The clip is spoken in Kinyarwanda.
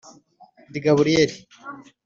‘‘ Ndi Gaburiyeli